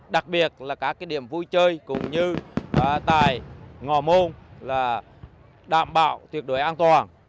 đặc biệt là các điểm vui chơi cũng như tại ngò môn là đảm bảo tuyệt đối an toàn